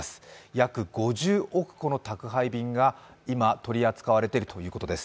約５０億個の宅配便が今取り扱われているということです。